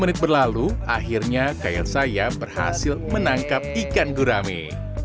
dua puluh menit berlalu akhirnya kaya saya berhasil menangkap ikan gurame